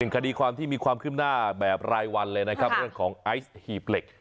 คดีความที่มีความขึ้นหน้าแบบรายวันเลยนะครับเรื่องของไอซ์หีบเหล็ก